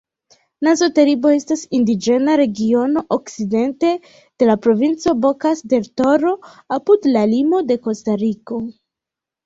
Nazo-Teribo estas indiĝena regiono okcidente de la provinco Bokas-del-Toro, apud la limo de Kostariko.